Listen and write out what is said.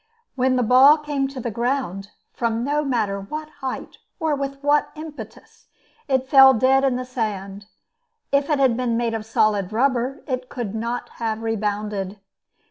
When the ball came to the ground, from no matter what height or with what impetus, it fell dead in the sand; if it had been made of solid rubber, it could not have rebounded.